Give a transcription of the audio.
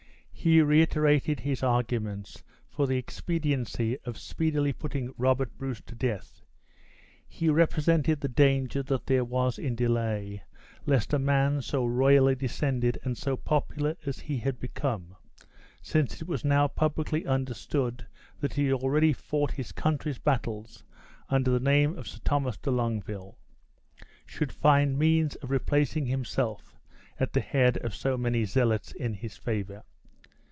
He reiterated his arguments for the expediency of speedily putting Robert Bruce to death; he represented the danger that there was in delay, lest a man so royally descended and so popular as he had become (since it was now publicly understood that he had already fought his country's battles under the name of Sir Thomas de Longueville) should find means of replacing himself at the head of so many zealots in his favor.